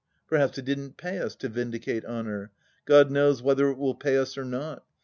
Perhaps it didn't pay us — ^to vindicate honour ! God knows whether it will pay us or not !